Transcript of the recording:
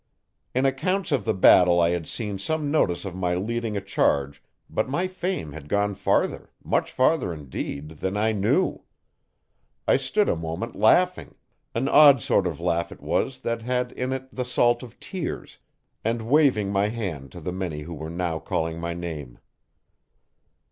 In accounts of the battle I had seen some notice of my leading a charge but my fame had gone farther much farther indeed than I knew. I stood a moment laughing an odd sort of laugh it was that had in it the salt of tears and waving my hand to the many who were now calling my name.